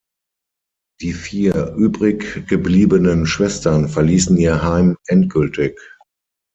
Die vier übrig gebliebenen Schwestern verließen ihr Heim endgültig.